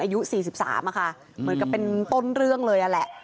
อายุ๔๓อะค่ะเหมือนกับเป็นต้นเรื่องเลยนั่นแหละ